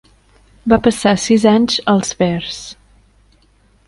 Va passar sis anys als Bears.